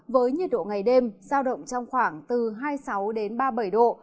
với nhiệt độ ngày đêm sao động trong khoảng từ hai mươi sáu ba mươi bảy độ